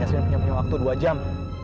saya punya waktu dua jam